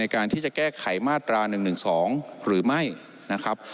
การที่จะแก้ไขมาตรา๑๑๒หรือไม่นะครับ